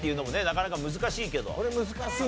なかなか難しいけど。